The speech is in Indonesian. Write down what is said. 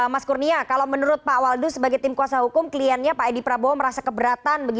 mas kurnia kalau menurut pak waldu sebagai tim kuasa hukum kliennya pak edi prabowo merasa keberatan